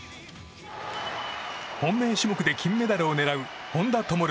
本命種目で金メダルを狙う本多灯。